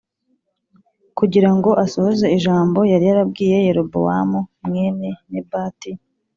kugira ngo asohoze ijambo yari yarabwiye Yerobowamu mwene Nebati